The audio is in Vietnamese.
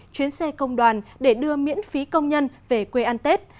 chuyến xe công đoàn để đưa miễn phí công nhân về quê ăn tết